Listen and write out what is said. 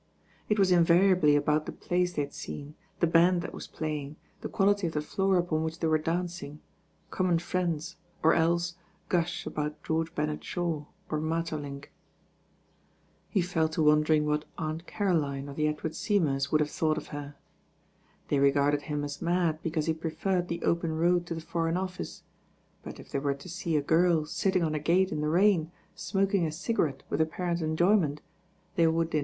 It was invariably about the plays they had seen, the band that was playing, the quality of the floor upon which they were dancing, common friends, or else gush about George Bernard Shaw, or Maeterlinck. He fell to wondering what Aunt Caroline or the Edward Seymours would have thought of her. They regarded him as mad because he preferred the open road to the Foreign Office ; but if they were to see a girl sitting on a gate in the rain, smoking a cigarette with apparent enjoyment, they would in.